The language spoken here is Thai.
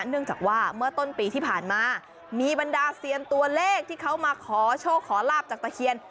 เนื่องจากว่าเมื่อต้นปีที่ผ่านมามีบรรดาเซียนตัวเลขที่เขามาขอโชคขอลาบจากตะเคียน